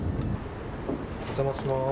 お邪魔します。